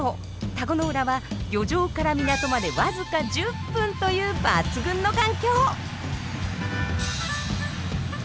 田子の浦は漁場から港まで僅か１０分という抜群の環境。